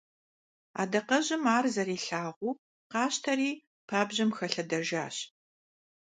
Адакъэжьым ар зэрилъагъуу къащтэри, пабжьэм хэлъэдэжащ.